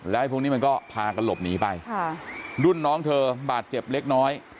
แล้วพวกนี้มันก็พากันหลบหนีไปค่ะรุ่นน้องเธอบาดเจ็บเล็กน้อย